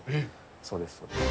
そうです、そうです。